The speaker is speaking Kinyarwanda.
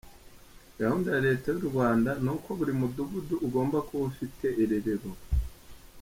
Gahunda ya leta y’u Rwanda ni uko buri mudugudu ugomba kuba ufite irerero.